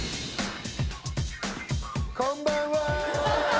こんばんは。